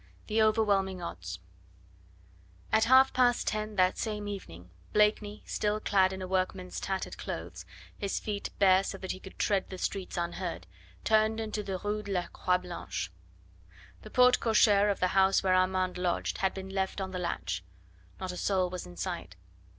THE OVERWHELMING ODDS At half past ten that same evening, Blakeney, still clad in a workman's tattered clothes, his feet bare so that he could tread the streets unheard, turned into the Rue de la Croix Blanche. The porte cochere of the house where Armand lodged had been left on the latch; not a soul was in sight.